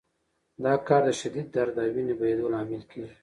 دا کار د شدید درد او وینې بهېدو لامل کېږي.